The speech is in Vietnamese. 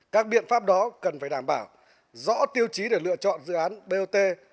các biện pháp đó cần phải đảm bảo rõ tiêu chí để lựa chọn dự án bot